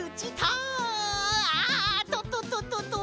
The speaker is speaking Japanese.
ああ！ととととと。